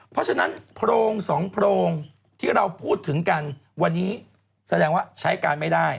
เพราะฉะนั้นโพรงสองโพรงที่เราพูดถึงกันวันนี้แสดงว่าใช้การไม่ได้